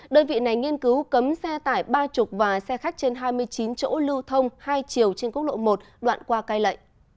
đơn vị này nghiên cứu cấm xe tải ba mươi và xe khách trên hai mươi chín chỗ lưu thông hai chiều trên quốc lộ một đoạn qua cây lệ